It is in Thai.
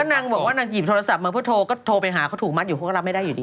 นางบอกว่านางหยิบโทรศัพท์มาเพื่อโทรก็โทรไปหาเขาถูกมัดอยู่เขาก็รับไม่ได้อยู่ดี